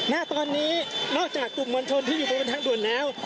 ณตอนนี้นอกจากกลุ่มมวลชนที่อยู่บนทางด่วนแล้ว